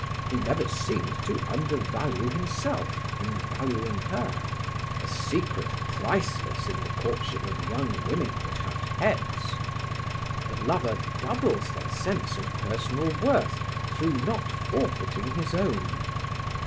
He never seemed to undervalue himself in valuing her: a secret priceless in the courtship of young women that have heads; the lover doubles their sense of personal worth through not forfeiting his own.